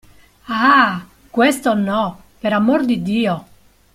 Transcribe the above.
Ah, questo no, per amor di Dio!